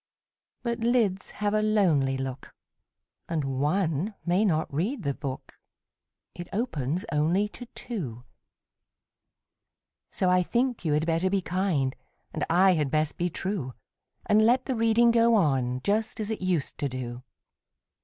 But lids have a lonely look, And one may not read the book It opens only to two; So I think you had better be kind, And I had best be true, And let the reading go on, Just as it used to do.